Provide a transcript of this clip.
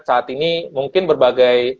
saat ini mungkin berbagai